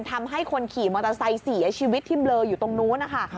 ทำให้คนขี่มอเตอร์ไซค์เสียชีวิตที่เบลออยู่ตรงนู้นนะคะ